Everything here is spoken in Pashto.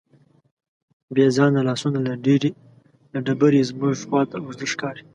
بېځانه لاسونه له ډبرې زموږ خواته اوږده ښکاري.